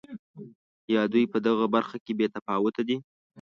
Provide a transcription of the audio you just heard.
یا دوی په دغه برخه کې بې تفاوته دي.